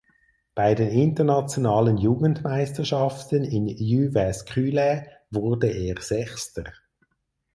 Bei den internationalen Jugendmeisterschaften in Jyväskylä wurde er Sechster.